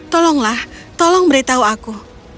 tolonglah tolong beritahu aku